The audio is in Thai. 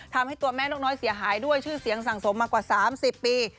ทำให้ตัวแม่นกน้อยเสียหายด้วยชื่อเสียงสั่งสมมากว่า๓๐ปี